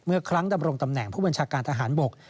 ครั้งดำรงตำแหน่งผู้บัญชาการทหารบก